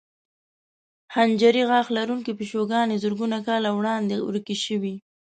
خنجري غاښ لرونکې پیشوګانې زرګونو کاله وړاندې ورکې شوې.